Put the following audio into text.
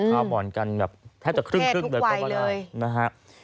พาผ่อนกันแบบแทบจะครึ่งเดินประมาณเลย